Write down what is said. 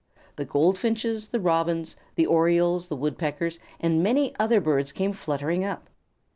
The Goldfinches, the Robins, the Orioles, the Woodpeckers, and many other birds came fluttering up.